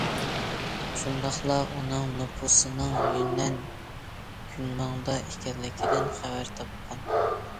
شۇنداقلا ئۇنىڭ نوپۇسىنىڭ يۈننەن كۇنمىڭدا ئىكەنلىكىدىن خەۋەر تاپقان.